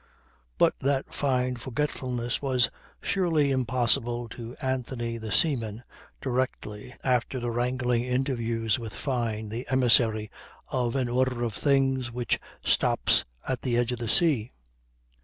But that fine forgetfulness was surely impossible to Anthony the seaman directly after the wrangling interview with Fyne the emissary of an order of things which stops at the edge of the sea.